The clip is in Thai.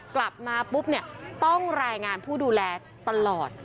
กลับมาปุ๊บเนี่ยต้องรายงานผู้ดูแลตลอด